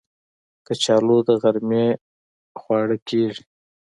کچالو د غرمې خواړه کېږي